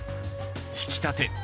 ひき立て